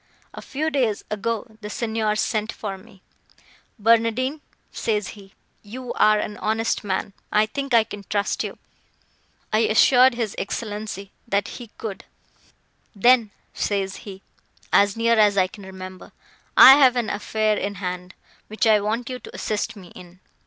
A few days ago, the Signor sent for me. 'Barnardine,' says he, 'you are—an honest man, I think I can trust you.' I assured his Excellenza that he could. 'Then,' says he, as near as I can remember, 'I have an affair in hand, which I want you to assist me in.